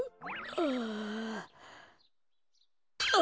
ああ。